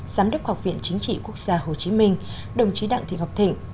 giám đốc học viện chính trị quốc gia hồ chí minh đồng chí đặng thị ngọc thịnh